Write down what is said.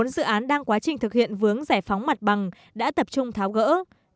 bốn dự án đang quá trình thực hiện vướng giải phóng mặt bằng đã tập trung tháo gỡ